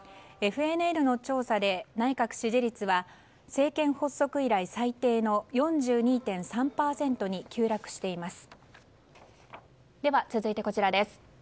ＦＮＮの調査で、内閣支持率は政権発足以来最低の４２．３％に急落しています。